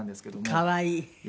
可愛い。